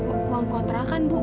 uang kontrakan bu